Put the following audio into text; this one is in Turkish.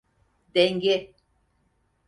Denge.